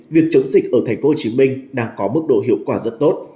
việc chống dịch ở tp hcm đang có mức độ hiệu quả rất tốt